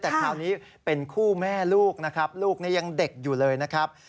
แต่คราวนี้เป็นคู่แม่ลูกนะครับลูกนี้ยังเด็กอยู่เลยนะครับ